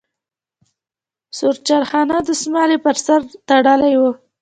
سور چارخانه دستمال یې په سر تړلی وي.